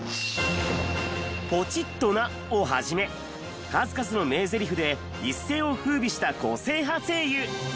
「ポチッとな！」をはじめ数々の名ゼリフで一世を風靡した個性派声優。